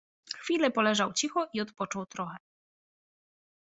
Chwilę poleżał cicho i odpoczął trochę